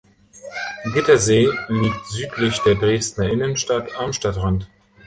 Gittersee liegt südlich der Dresdner Innenstadt am Stadtrand.